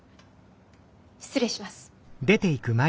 失礼します。